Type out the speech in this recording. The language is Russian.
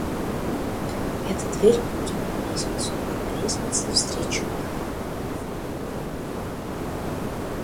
Эта дверь ведет на лестницу, а на лестнице я встречу их.